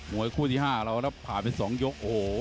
มวยคู่ที่๕เราผ่านไป๒ยก